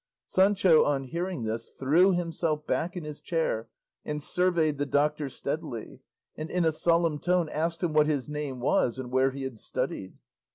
Sancho on hearing this threw himself back in his chair and surveyed the doctor steadily, and in a solemn tone asked him what his name was and where he had studied.